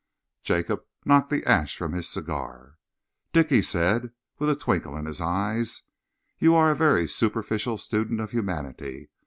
Jacob knocked the ash from his cigar. "Dick," he said, with a twinkle in his eyes, "you are a very superficial student of humanity.